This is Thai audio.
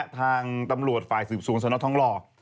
ทางตำรวจฝ่ายสืบสูงสนท้อทองรอบ